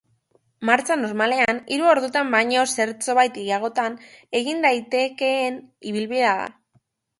Martxa normalean, hiru ordutan baino zertxobait gehiagotan egin daitekeen ibilbidea da.